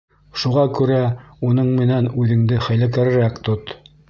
Шуға күрә уның менән үҙеңде хәйләкәрерәк тот.